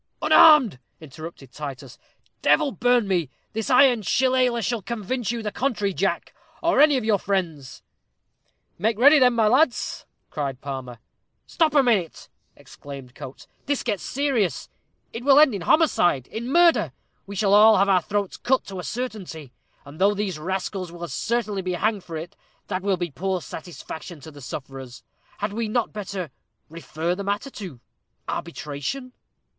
"Unarmed!" interrupted Titus. "Devil burn me! this iron shillelah shall convince you to the contrary, Jack, or any of your friends." "Make ready then, my lads," cried Palmer. "Stop a minute," exclaimed Coates. "This gets serious; it will end in homicide in murder. We shall all have our throats cut to a certainty; and though these rascals will as certainly be hanged for it, that will be poor satisfaction to the sufferers. Had we not better refer the matter to arbitration?"